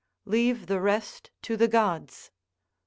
["Leave the rest to the gods."